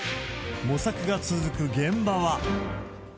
模索が続く現場は。